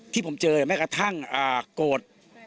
ที่ผมเจอแม้กระทั่งโกรธ